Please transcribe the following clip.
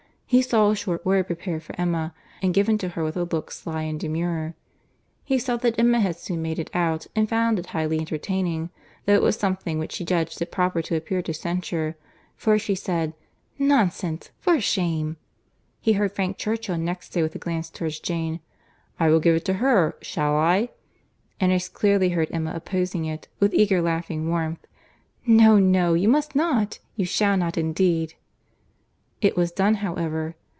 He saw a short word prepared for Emma, and given to her with a look sly and demure. He saw that Emma had soon made it out, and found it highly entertaining, though it was something which she judged it proper to appear to censure; for she said, "Nonsense! for shame!" He heard Frank Churchill next say, with a glance towards Jane, "I will give it to her—shall I?"—and as clearly heard Emma opposing it with eager laughing warmth. "No, no, you must not; you shall not, indeed." It was done however.